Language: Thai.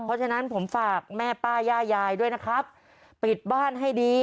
เพราะฉะนั้นผมฝากแม่ป้าย่ายายด้วยนะครับปิดบ้านให้ดี